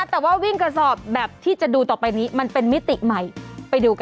แต่ว่าวิ่งกระสอบแบบที่จะดูต่อไปนี้มันเป็นมิติใหม่ไปดูกัน